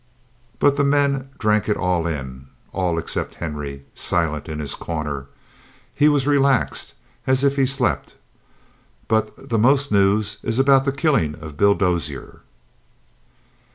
But the men drank it in all except Henry, silent in his corner. He was relaxed, as if he slept. "But the most news is about the killing of Bill Dozier."